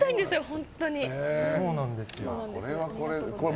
本当に。